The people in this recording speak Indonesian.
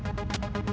gue gak tau